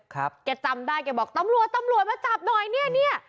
แกจำได้แกบอกตำรวจตำรวจมาจับหน่อยเนี่ย